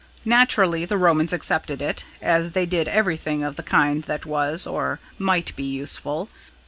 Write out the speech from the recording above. Naturally the Romans accepted it, as they did everything of the kind that was, or might be, useful.